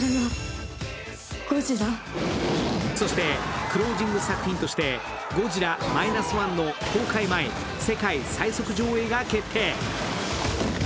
そしてクロージング作品として「ゴジラ−１．０」の公開前世界最速上映が決定。